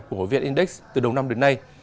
của vietindex từ đầu năm đến nay